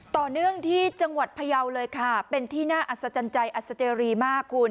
ต่อเนื่องที่จังหวัดพยาวเลยค่ะเป็นที่น่าอัศจรรย์ใจอัศเจรีมากคุณ